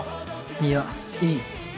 いやいい。